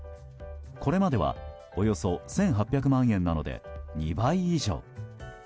これまではおよそ１８００万円なので２倍以上。